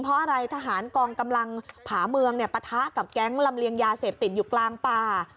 เพราะอะไรทหารกองกำลังผาเมืองปะทะกับแก๊งลำเลียงยาเสพติดอยู่กลางป่า